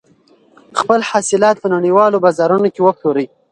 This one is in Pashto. خپل حاصلات په نړیوالو بازارونو کې وپلورئ.